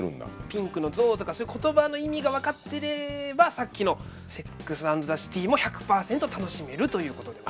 「ピンクの象」とかそういうコトバの意味が分かってればさっきの「ＳＥＸＡＮＤＴＨＥＣＩＴＹ」も１００％楽しめるということで。